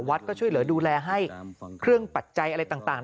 ก็ช่วยเหลือดูแลให้เครื่องปัจจัยอะไรต่าง